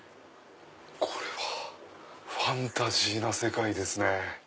これはファンタジーな世界ですね。